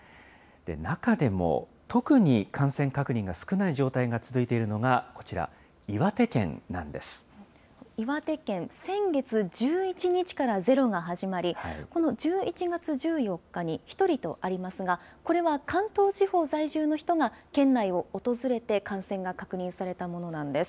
中でも特に感染確認が少ない状態が続いているのがこちら、岩手県岩手県、先月１１日からゼロが始まり、この１１月１４日に１人とありますが、これは関東地方在住の人が県内を訪れて感染が確認されたものなんです。